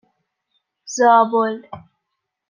زابل